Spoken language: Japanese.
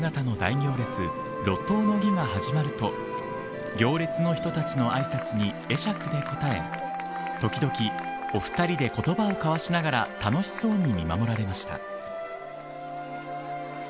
平安装束姿の大行列路頭の儀が始まると行列の人たちのあいさつに会釈で応え時々、お二人で笑顔をかわしながら楽しそうに見守られました。